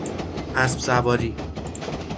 اسب سواری